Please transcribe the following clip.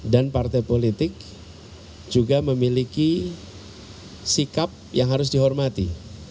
dan partai politik juga memiliki sikap yang harus dihormati